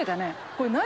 これ何？